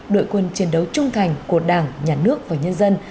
đội quân chiến đấu trung thành của đảng nhà nước và nhân dân